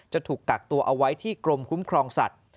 จะถูกกักตัวเอาไว้ที่กรมคุ้มครองสัตว์